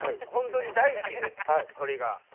本当に大好きで鳥が。